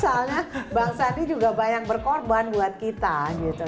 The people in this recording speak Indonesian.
soalnya bang sandi juga banyak berkorban buat kita gitu